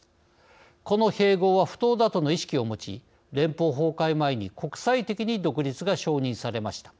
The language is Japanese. この併合は不当だとの意識を持ち連邦崩壊前に国際的に独立が承認されました。